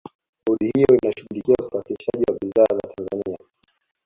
bodi hiyo inashughulikia usafirishaji wa bidhaa za tanzania